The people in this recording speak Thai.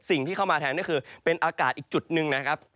สิ่งที่เข้ามาแทนก็คือเป็นอากาศอีกจุดหนึ่งนะครับ